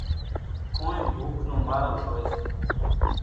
ڪونئين ڀوُک نون مارل سي۔